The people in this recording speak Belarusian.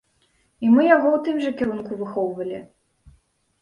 І мы яго ў тым жа кірунку выхоўвалі.